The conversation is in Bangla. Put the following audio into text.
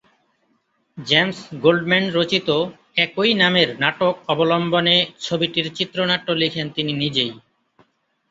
জেমস গোল্ডম্যান রচিত "একই নামের" নাটক অবলম্বনে ছবিটির চিত্রনাট্য লিখেন তিনি নিজেই।